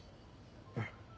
うん。